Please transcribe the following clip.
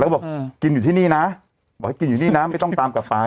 บอกกินอยู่ที่นี่นะบอกให้กินอยู่นี่นะไม่ต้องตามกลับไป